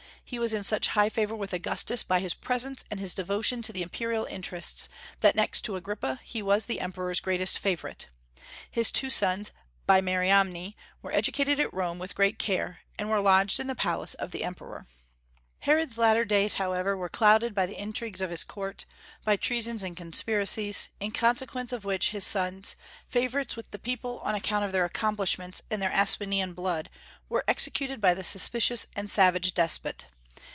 He was in such high favor with Augustus by his presents and his devotion to the imperial interests, that, next to Agrippa, he was the emperor's greatest favorite. His two sons by Mariamne were educated at Rome with great care, and were lodged in the palace of the Emperor. Herod's latter days however were clouded by the intrigues of his court, by treason and conspiracies, in consequence of which his sons, favorites with the people on account of their accomplishments and their Asmonean blood, were executed by the suspicious and savage despot.